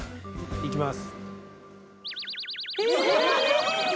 いきます。